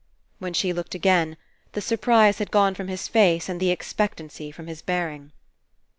When she looked again, the surprise had gone from his face and the expectancy from, his bearing.